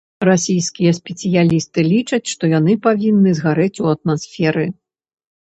Расійскія спецыялісты лічаць, што яны павінны згарэць у атмасферы.